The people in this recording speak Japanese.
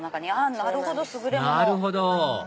なるほど！